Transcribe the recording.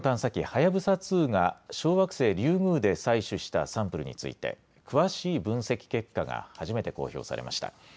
はやぶさ２が小惑星リュウグウで採取したサンプルについて詳しい分析結果が初めて公表されました。